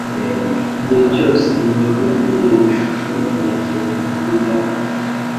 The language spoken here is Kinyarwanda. Igihe cyose ndebye kuri iyi shusho, ntekereza kuri data.